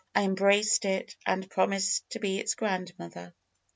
I embraced it and promised to be its godmother.